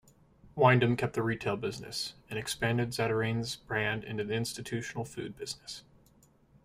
Wyndham kept the retail business, and expanded Zatarain's brand into the institutional food business.